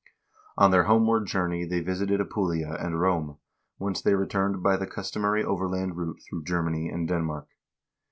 On their homeward journey they visited Apulia and Rome, whence they returned by the customary overland route through Germany and Denmark.